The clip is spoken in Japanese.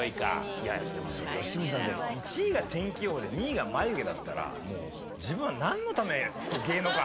いやでも良純さん１位が天気予報で２位がマユ毛だったらもう自分はなんのためこの芸能界に入った。